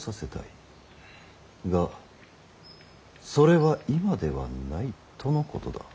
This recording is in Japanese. がそれは今ではないとのことだ。